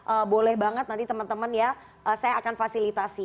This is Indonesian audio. eh boleh banget nanti teman teman ya saya akan fasilitasi